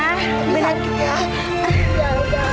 jangan sakit ya